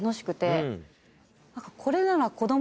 これなら。